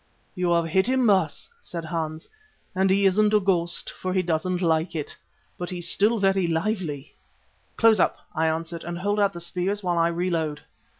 "You have hit him, Baas," said Hans, "and he isn't a ghost, for he doesn't like it. But he's still very lively." "Close up," I answered, "and hold out the spears while I reload."